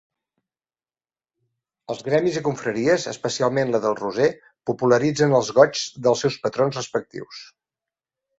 Els gremis i confraries –especialment la del Roser– popularitzen els goigs dels seus patrons respectius.